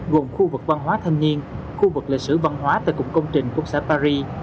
gồm khu vực văn hóa thanh niên khu vực lịch sử văn hóa tại cụng công trình của xã paris